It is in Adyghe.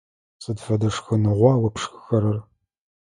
Сыд фэдэ шхыныгъуа о пшӏыхэрэр?